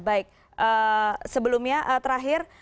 baik sebelumnya terakhir